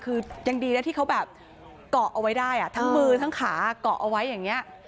คือยังดีนะที่เขาแบบเกาะเอาไว้ได้ทั้งมือทั้งขาเกาะเอาไว้อย่างนี้